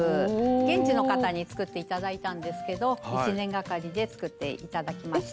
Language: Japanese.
現地の方に作って頂いたんですけど１年がかりで作って頂きました。